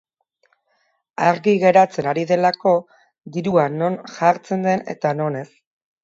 Argi geratzen ari delako dirua non jartzen den eta non ez.